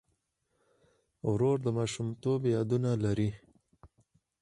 ورور د ماشومتوب یادونه لري.